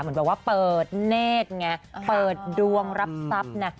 เหมือนแบบว่าเปิดเนธไงเปิดดวงรับทรัพย์นะ